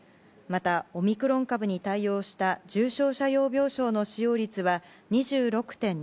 また、オミクロン株に対応した重症者用病床の使用率は２６．２％。